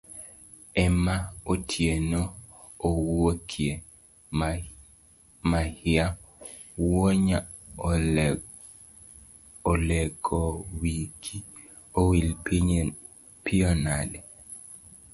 Ema Otieno owuokie, mahia wuonya alegowigi owil piyo nade?